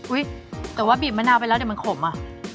แต่ว่าบีบมะนาวไปแล้วเดี๋ยวมันขมอ่ะ